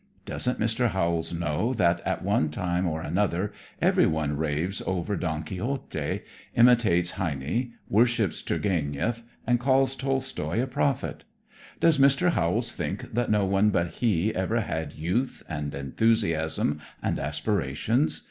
Doesn't Mr. Howells know that at one time or another every one raves over Don Quixote, imitates Heine, worships Tourgueneff and calls Tolstoi a prophet? Does Mr. Howells think that no one but he ever had youth and enthusiasm and aspirations?